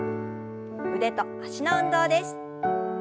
腕と脚の運動です。